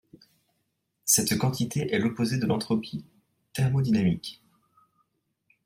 Cette quantité est l'opposée de l'entropie thermodynamique.